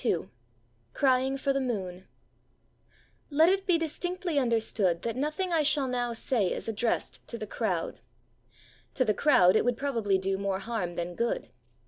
II CRYING FOR THE MOON Let it be distinctly understood that nothing that I shall now say is addressed to the crowd. To the crowd it would probably do more harm than good.